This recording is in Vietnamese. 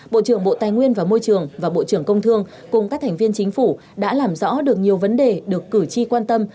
bộ trưởng bộ tài nguyên và môi trường và bộ trưởng công thương cùng các thành viên chính phủ đã làm rõ được nhiều vấn đề được cử tri quan tâm